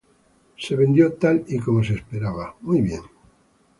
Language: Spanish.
Se vendió, tal y como se esperaba, muy bien.